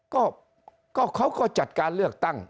ก็เขาก็จัดการเลือกตั้ง